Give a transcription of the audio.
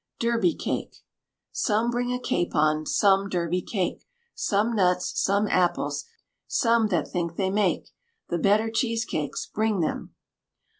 DERBY CAKE. Some bring a capon, some Derby cake, Some nuts, some apples, some that think they make The better cheesecakes, bring them.